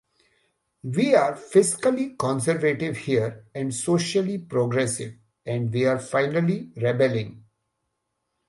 We're fiscally conservative here and socially progressive -- and we're finally rebelling.